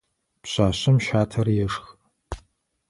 Пшъашъэм щатэр ешхы.